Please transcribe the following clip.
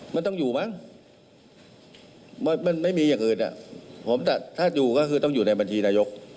มันต้องอยู่มั้งมันไม่มีอย่างอื่นผมถ้าอยู่ก็คือต้องอยู่ในบัญชีนายก